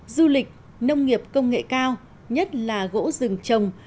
du lịch nông nghiệp công nghệ cao nhất là gỗ rừng trồng